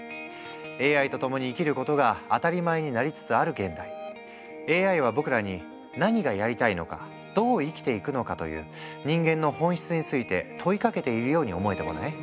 ＡＩと共に生きることが当たり前になりつつある現代ＡＩは僕らに何がやりたいのかどう生きていくのかという人間の本質について問いかけているように思えてこない？